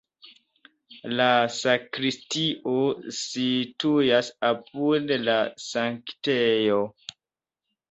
La sakristio situas apud la sanktejo.